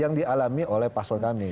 yang dilakukan oleh pasal kami